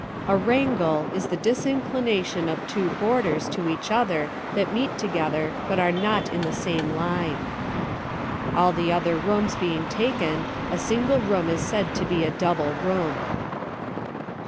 A wrangle is the disinclination of two boarders to each other that meet together but are not in the same line. All the other rooms being taken, a single room is said to be a double room.